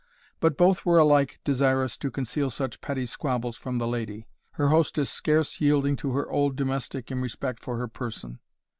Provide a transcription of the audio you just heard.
But both were alike desirous to conceal such petty squabbles from the lady, her hostess scarce yielding to her old domestic in respect for her person.